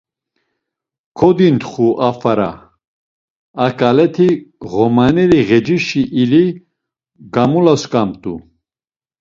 Kodintxu a fara; a ǩaleti ğomaneri ğecişi ili gamulosǩamt̆u.